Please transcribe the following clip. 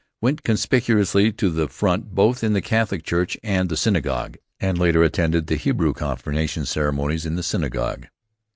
Went conspicuously to the front both in the Catholic church and the synagogue, and later attended the Hebrew confirmation ceremonies in the synagogue.